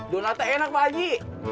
donatnya enak pakji